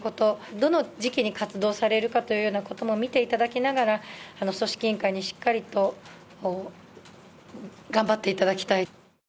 どの時期に活動されるかというようなことも見ていただきながら、組織委員会にしっかりと頑張っていただきたいと。